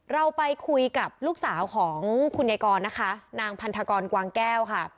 เราไปคุยกับลูกสาวของคุณยายกรนะคะนางพันธกรกวางแก้วค่ะ